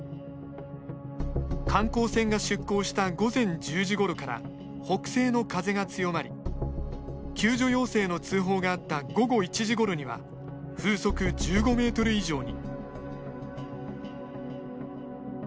観光船が出航した午前１０時ごろから北西の風が強まり救助要請の通報があった午後１時ごろには風速１５メートル以上に。